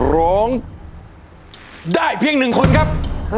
โรงได้เพียงหนึ่งคนครับ